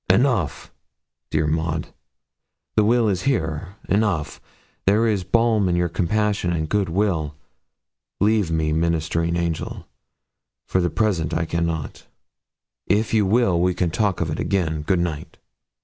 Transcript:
'Enough, dear Maud; the will is here enough: there is balm in your compassion and good will. Leave me, ministering angel; for the present I cannot. If you will, we can talk of it again. Good night.'